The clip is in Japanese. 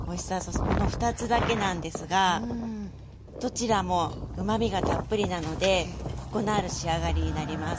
この２つだけなんですがどちらもうまみがたっぷりなのでコクのある仕上がりになります。